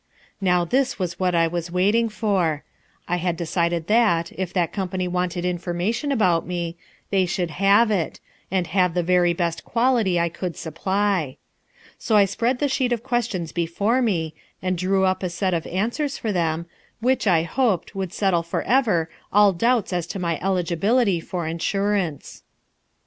Now this was what I was waiting for; I had decided that, if that company wanted information about me, they should have it, and have the very best quality I could supply. So I spread the sheet of questions before me, and drew up a set of answers for them, which, I hoped, would settle for ever all doubts as to my eligibility for insurance.